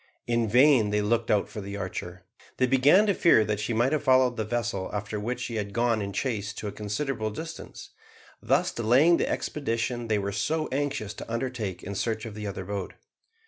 In vain they looked out for the Archer. They began to fear that she might have followed the vessel after which she had gone in chase to a considerable distance, thus delaying the expedition they were so anxious to undertake in search of the other boat.